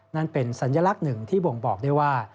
นั่นเป็นสัญลักษณ์หนึ่งที่บ่งบอกได้ว่า